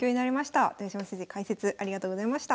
豊島先生解説ありがとうございました。